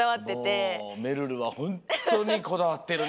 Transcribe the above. めるるはほんとうにこだわってるね。